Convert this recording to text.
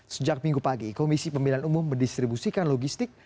sejak minggu pagi komisi pemilihan umum mendistribusikan logistik